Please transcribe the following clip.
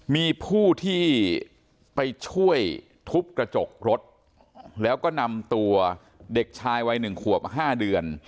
มีผู้ที่ไปช่วยทุบกระจกรถแล้วก็นำตัวเด็กชายวัย๑ขวบ๕เดือน